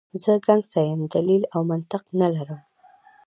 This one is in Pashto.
زه ګنګسه یم، دلیل او منطق نه لرم.